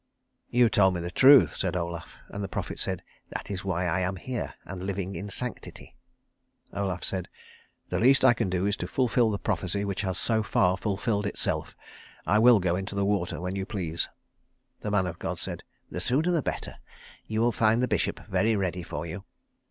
"You told me the truth," said Olaf; and the prophet said, "That is why I am here and living in sanctity." Olaf said, "The least I can do is to fulfil the prophecy which has so far fulfilled itself. I will go into the water when you please." The man of God said, "The sooner the better. You will find the bishop very ready for you."